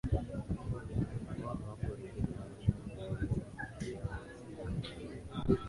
wao hawakuridhika na masharti yaliyotolewa na serikali